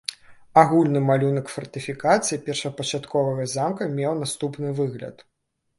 Агульны малюнак фартыфікацыі першапачатковага замка меў наступны выгляд.